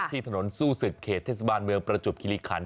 ที่ถนนสู้ศึกเขตเทศบาลเมืองประจวบคิริคัน